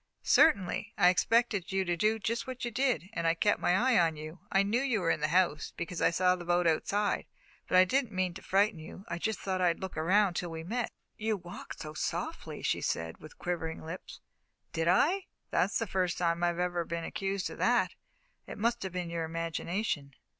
"Certainly. I expected you to do just what you did, and I kept my eye on you. I knew you were in the house, because I saw the boat outside, but I didn't mean to frighten you. I just thought I'd look around until we met." "You you walked so softly," she said, with quivering lips. "Did I? That's the first time I've ever been accused of that. It must have been your imagination."